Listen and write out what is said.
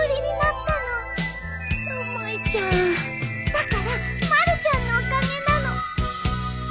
だからまるちゃんのおかげなの。